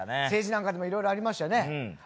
政治なんかでもいろいろありましたよね。